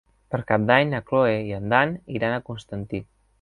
Per Cap d'Any na Cloè i en Dan iran a Constantí.